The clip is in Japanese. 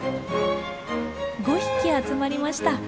５匹集まりました。